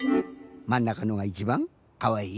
まんなかのがいちばんかわいい？